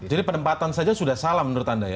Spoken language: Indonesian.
jadi penempatan saja sudah salah menurut anda ya